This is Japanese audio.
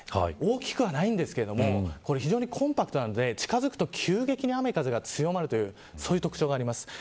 大きくはないんですが非常にコンパクトなので近づくと急激に雨風が強まるという特徴があります。